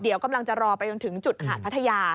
เดี๋ยวกำลังจะรอไปจนถึงจุดหาดพัทยา